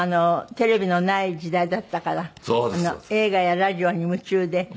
テレビのない時代だったから映画やラジオに夢中で。